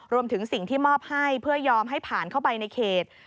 รวมถึงสิ่งที่มอบให้เพื่อยอมให้ผ่านเข้าไปในเขต